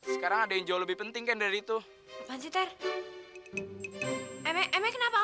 sampai jumpa di video selanjutnya